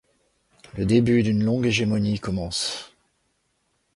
Le début d'une longue hégémonie commence.